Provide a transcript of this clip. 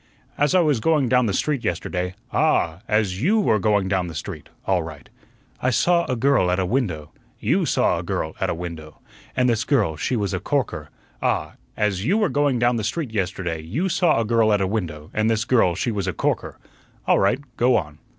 "As I was going down the street yesterday " "Ah! as YOU were going down the street all right." "I saw a girl at a window " "YOU saw a girl at a window." "And this girl she was a corker " "Ah! as YOU were going down the street yesterday YOU saw a girl at a window, and this girl she was a corker. All right, go on."